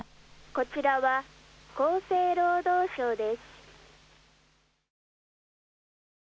こちらは厚生労働省です。